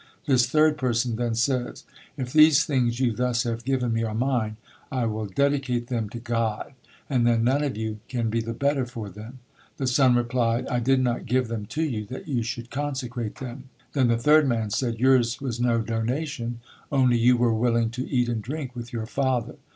This third person then says If these things you thus have given me are mine, I will dedicate them to God, and then none of you can be the better for them. The son replied I did not give them to you that you should consecrate them. Then the third man said Yours was no donation, only you were willing to eat and drink with your father.